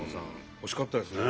惜しかったですね。